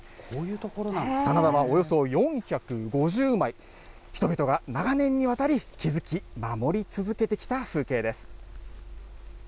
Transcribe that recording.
棚田はおよそ４５０枚、人々が長年にわたり、築き、守り続けてきた風景です。